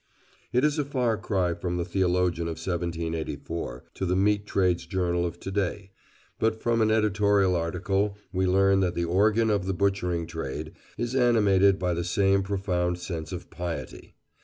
It is a far cry from the theologian of 1784 to the Meat Trades' Journal of to day, but from an editorial article we learn that the organ of the butchering trade is animated by the same profound sense of piety.